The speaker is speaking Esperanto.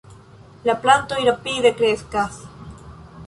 La plantoj rapide kreskas.